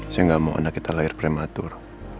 saya nggak mau anak kita lahir prematur